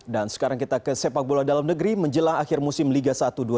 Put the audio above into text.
sekarang kita ke sepak bola dalam negeri menjelang akhir musim liga satu dua ribu dua puluh